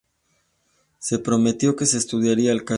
Se prometió que se estudiaría el caso.